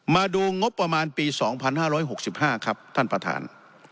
มาดูงบประมาณปี๒๕๖๕ครับท่านประธาน